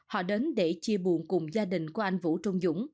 họ đến để chia buồn cùng gia đình của anh vũ trung dũng